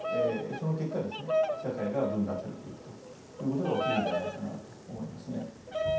その結果ですね社会が分断されていくということが起きるんではないかなと思いますね。